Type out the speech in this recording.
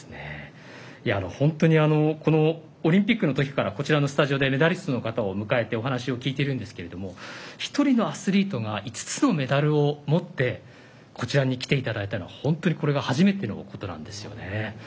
本当にオリンピックのときからこちらのスタジオでメダリストの方を迎えてお話を聞いているんですけど１人のアスリートが５つのメダルを持ってこちらに来ていただいたのはこれが初めてのことなんですよね。